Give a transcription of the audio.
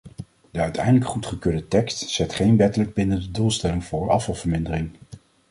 De uiteindelijk goedgekeurde tekst zet geen wettelijk bindende doelstelling voor afvalvermindering.